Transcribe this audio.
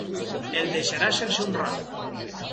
El deixarà sense un ral.